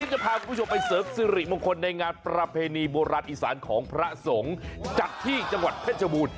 จะพาคุณผู้ชมไปเสริมสิริมงคลในงานประเพณีโบราณอีสานของพระสงฆ์จัดที่จังหวัดเพชรบูรณ์